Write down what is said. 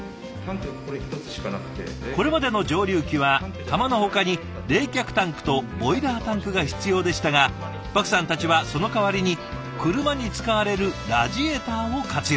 これまでの蒸留機はかまのほかに冷却タンクとボイラータンクが必要でしたがパクさんたちはその代わりに車に使われるラジエーターを活用。